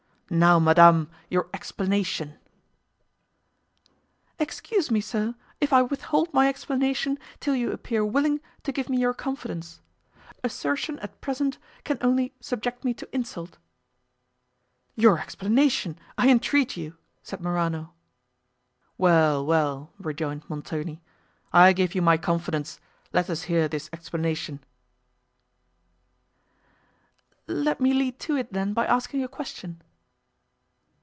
Now, Madame, your explanation." "Excuse me, sir, if I withhold my explanation till you appear willing to give me your confidence; assertion as present can only subject me to insult." "Your explanation, I entreat you!" said Morano. "Well, well," rejoined Montoni, "I give you my confidence; let us hear this explanation." "Let me lead to it then, by asking a question."